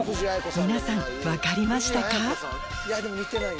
皆さん分かりましたか？